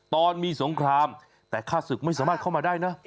ตอนมีสงครามแต่ฆ่าศึกไม่สามารถเข้ามาได้นะ